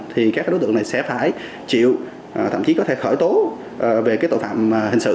thì các đối tượng này sẽ phải chịu thậm chí có thể khởi tố về cái tội phạm hình sự